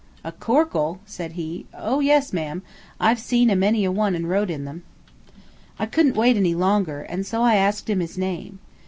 "A corkle?" said he. "Oh, yes, ma'am, I've seen many a one and rowed in them." I couldn't wait any longer, and so I asked him his name.